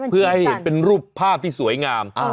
เพื่อให้เห็นเป็นรูปภาพที่สวยงาม